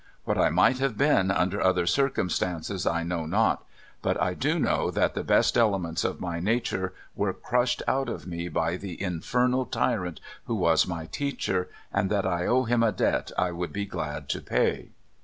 What I might have been under other circum stances, I know not ; but I do know that the best elements of my nature were crushed out of me by tLs infernal tyrant who was my teacher, and that I owe him a debt I would be glad to pay."